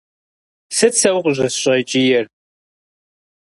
Сыт сэ укъыщӏысщӏэкӏиер?